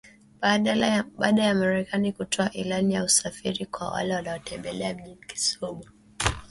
baada ya Marekani kutoa ilani ya kusafiri kwa wale wanaotembelea mji wa Kisumu